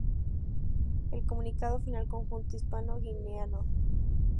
El comunicado final conjunto hispano- guineano.